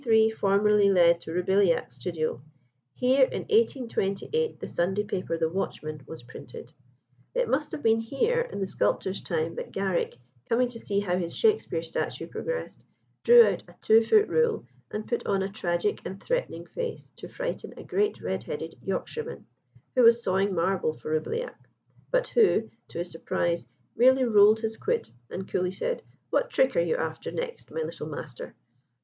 63 formerly led to Roubilliac's studio. Here, in 1828, the Sunday paper The Watchman, was printed. It must have been here, in the sculptor's time, that Garrick, coming to see how his Shakspere statue progressed, drew out a two foot rule, and put on a tragic and threatening face to frighten a great red headed Yorkshireman, who was sawing marble for Roubilliac; but who, to his surprise, merely rolled his quid, and coolly said, "What trick are you after next, my little master?"